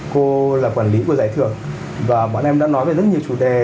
cô là quản lý của giải thưởng và bọn em đã nói về rất nhiều chủ đề